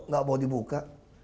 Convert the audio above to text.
nggak mau dibuka